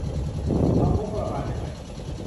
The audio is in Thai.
เอางบประมาณจากไหน ?